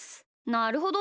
なるほど。